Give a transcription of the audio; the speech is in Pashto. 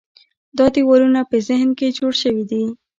دا دیوالونه په ذهن کې جوړ شوي دي.